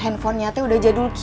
handphonenya teh udah jadul gitu yaa